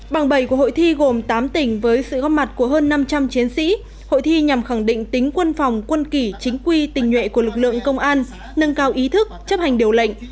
bảng bảy của hội thi gồm tám tỉnh với sự góp mặt của hơn năm trăm linh chiến sĩ hội thi nhằm khẳng định tính quân phòng quân kỷ chính quy tình nhuệ của lực lượng công an nâng cao ý thức chấp hành điều lệnh